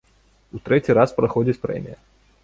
У трэці раз праходзіць прэмія.